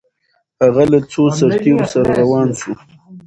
هغه له څو سرتیرو سره روان سو؟